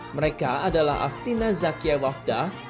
mereka adalah aftina zakia wafdah